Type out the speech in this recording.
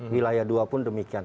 wilayah dua pun demikian